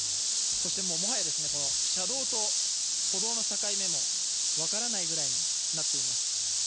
そしてもはや車道と歩道の境目も分からないぐらいになっています。